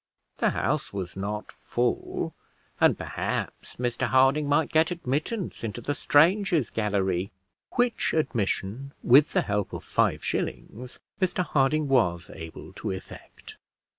The House was not full, and perhaps Mr Harding might get admittance into the Strangers' Gallery, which admission, with the help of five shillings, Mr Harding was able to effect.